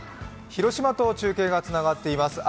広島と中継がつながっています。